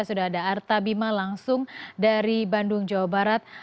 sudah ada arta bima langsung dari bandung jawa barat